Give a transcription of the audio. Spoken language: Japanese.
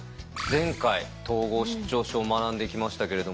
前回統合失調症を学んできましたけれども。